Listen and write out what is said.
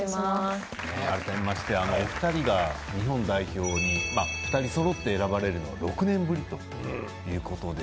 改めましてお二人が日本代表に２人そろって選ばれるのは６年ぶりという事ですよね。